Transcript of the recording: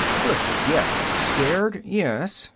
Blisters, yes. Scared, yes.